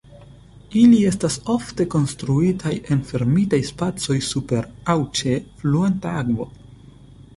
Ili estas ofte konstruitaj en fermitaj spacoj super, aŭ ĉe, fluanta akvo.